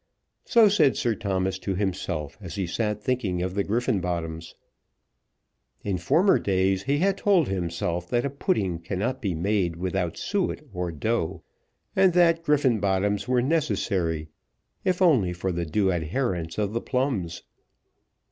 So said Sir Thomas to himself as he sat thinking of the Griffenbottoms. In former days he had told himself that a pudding cannot be made without suet or dough, and that Griffenbottoms were necessary if only for the due adherence of the plums.